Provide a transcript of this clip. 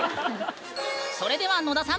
それでは野田さん